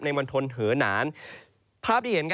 ในวันทนเหนิน